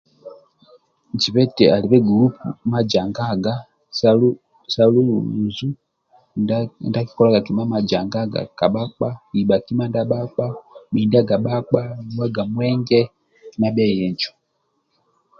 Zibe eti alibe gulupu ma janganga sa lu lulu luzu uzu ndia akikolaga kima majangaga ka bhakpa ibha kima ndia bhakpa nuwa mwenge kima bhie injo